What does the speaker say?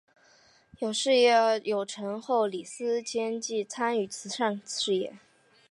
在事业有成后李思廉亦参与慈善事业。